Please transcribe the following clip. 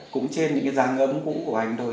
cũng trên những cái dáng ngẫm cũ của anh thôi